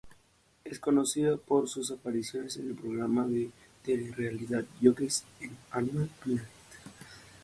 Es conocida por sus apariciones en el programa de telerrealidad Jockeys en Animal Planet.